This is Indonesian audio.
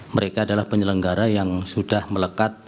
mereka adalah penyelenggara yang sudah melekat